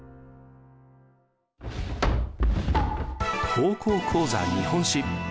「高校講座日本史」。